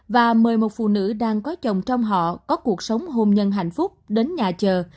và mời một phụ nữ đang có chồng trong họ có cuộc sống hôn nhân hạnh phúc đến nhà chờ